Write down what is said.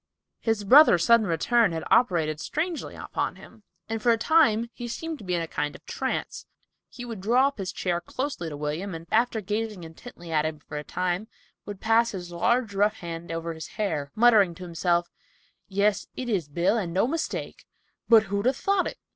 His brother's sudden return had operated strangely upon him, and for a time he seemed to be in a kind of trance. He would draw his chair up closely to William, and, after gazing intently at him for a time, would pass his large rough hand over his hair, muttering to himself, "Yes, it is Bill, and no mistake, but who'd a thought it?"